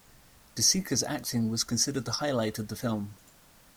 De Sica's acting was considered the highlight of the film.